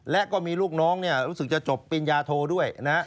และก็มีลูกน้องรู้สึกจะจบเป็นยาโทด้วย